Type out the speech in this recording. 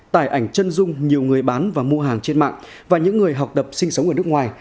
tải ảnh chân dung nhiều người bán và mua hàng trên mạng và những người học tập sinh sống ở nước ngoài